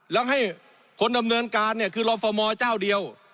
แล้วให้คนดำเนินการเนี่ยคือรอฟมเจ้าเดียว